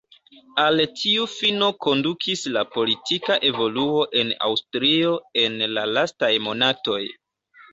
Al tiu fino kondukis la politika evoluo en Aŭstrio en la lastaj monatoj.